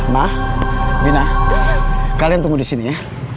maaf bina kalian tunggu di sini ya